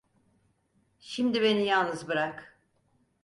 Şimdi beni yalnız bırak.